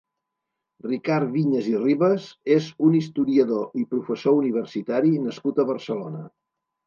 Ricard Vinyes i Ribas és un historiador i professor universitari nascut a Barcelona.